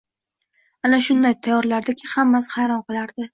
Uni shunday tayyorlardiki, hammasi hayron qolardi